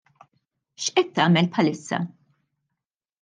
X’qed tagħmel bħalissa?